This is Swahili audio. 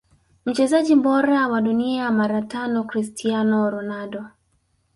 Mchezaji bora wa dunia mara tano Cristiano Ronaldo